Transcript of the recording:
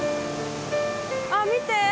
あっ見て！